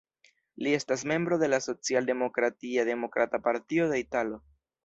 Li estas membro de la socialdemokratia Demokrata Partio de Italio.